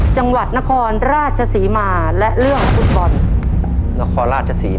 จังหวัดนครราชศรีมาและเรื่องพุธบอล